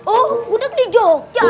oh gudeg di jogja